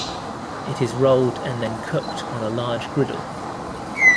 It is rolled and then cooked on a large griddle.